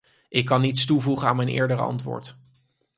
Ik kan niets toevoegen aan mijn eerdere antwoord.